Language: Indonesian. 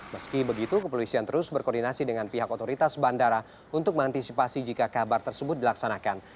meski begitu kepolisian terus berkoordinasi dengan pihak otoritas bandara untuk mengantisipasi jika kabar tersebut dilaksanakan